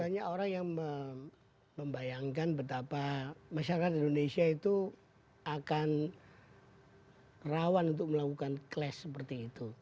banyak orang yang membayangkan betapa masyarakat indonesia itu akan rawan untuk melakukan clash seperti itu